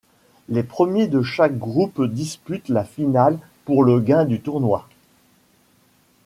Les premiers de chaque groupe disputent la finale pour le gain du tournoi.